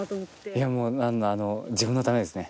いやもう自分のためですね。